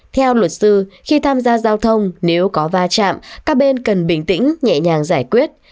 theo luật sư khi tham gia giao thông nếu có va chạm các bên cần bình tĩnh nhẹ nhàng giải quyết